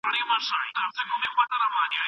څنګه زده کوونکي په حضوري ټولګي کي همکارۍ کوي؟